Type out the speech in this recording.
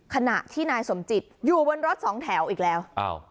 ขณะที่นายสมจิตอยู่บนรถสองแถวอีกแล้ว